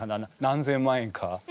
何千万円か。